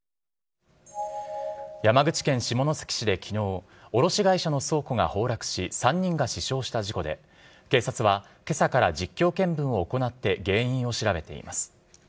山口県下関市で昨日卸会社の倉庫が崩落し３人が死傷した事故で警察は今朝から実況見分を行って原因を調べています。